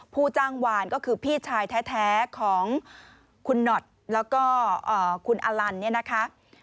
ผู้จ้างวานก็คือพี่ชายแท้ของคุณหนอดแล้วก็คุณอลันเนี่ยนะคะ